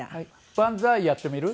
バンザイやってみる？